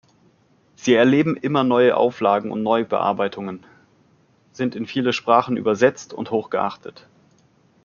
Sie erleben immer neue Auflagen und Neubearbeitungen, sind in viele Sprachen übersetzt und hochgeachtet.